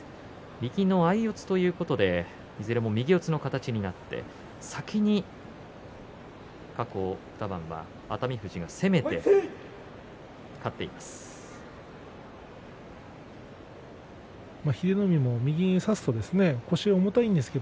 右の相四つということでいずれも右四つの形になって先に過去２番は熱海富士が攻めて勝っています。